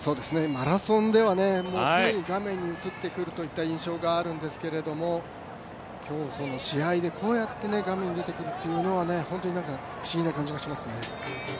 マラソンでは常に画面に映ってくるという印象があるんですけども競歩の試合で、こうやって画面に出てくるというのは本当に不思議な感じがしますね。